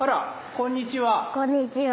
こんにちは。